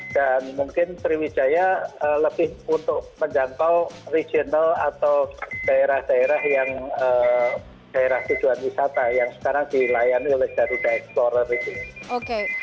dan mungkin sriwijaya lebih untuk menjangkau regional atau daerah daerah yang daerah tujuan wisata yang sekarang dilayani oleh garuda explorer itu